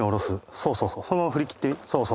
そうそうそう。